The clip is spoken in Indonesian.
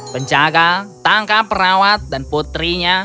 penjaga tangkap perawat dan putrinya